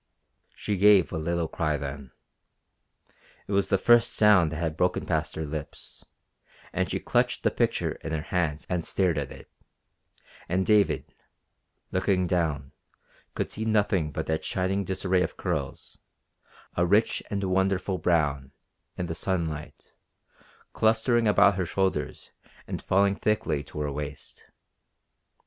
She gave a little cry then. It was the first sound that had broken past her lips, and she clutched the picture in her hands and stared at it; and David, looking down, could see nothing but that shining disarray of curls, a rich and wonderful brown, in the sunlight, clustering about her shoulders and falling thickly to her waist.